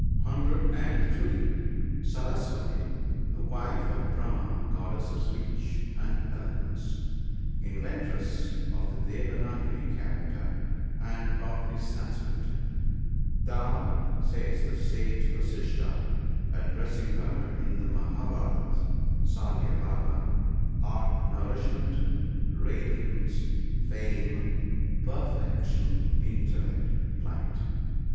(103.) Saraswati. — The wife of Brahma, goddess of speech and elo quence — inventress of the Devanagari character and of the Sanskrit. " Thou," says the Sage Vasistha, addressing her in the Mahab karat (Salya Parva), "art nourishment, radiance, fame, perfection, intel lect, light.